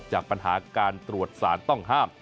จากปัญหาการตรวจสารต้องห้าม